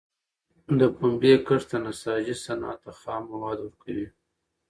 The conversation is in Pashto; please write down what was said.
د پنبي کښت د نساجۍ صنعت ته خام مواد ورکوي.